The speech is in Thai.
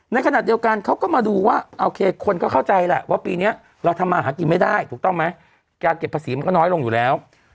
ในขณะเดียวกันเขาก็มาดูว่าโอเคคนก็เข้าใจแหละว่าปีนี้เราทำมาหากินไม่ได้ถูกต้องไหมการเก็บภาษีมันก็น้อยลงอยู่แล้ว